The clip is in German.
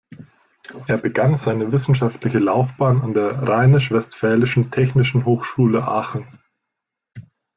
Er begann seine wissenschaftliche Laufbahn an der Rheinisch-Westfälischen Technischen Hochschule Aachen.